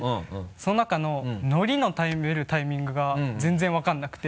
その中の海苔の食べるタイミングが全然分からなくて。